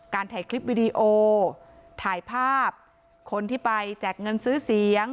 ถ่ายคลิปวิดีโอถ่ายภาพคนที่ไปแจกเงินซื้อเสียง